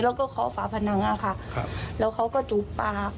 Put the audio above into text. แล้วก็เคาะฝาผนังค่ะครับแล้วเขาก็จูบปาก